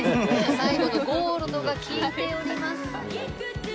最後のゴールドが効いております。